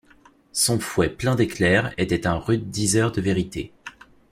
Son fouet plein d’éclairs était un rude diseur de vérités.